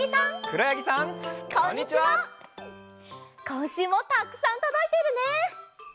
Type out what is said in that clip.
こんしゅうもたくさんとどいているね！